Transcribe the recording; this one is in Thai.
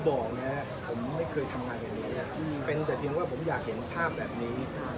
เป็นแต่เพียงว่าผมอยากเห็นภาพแบบนี้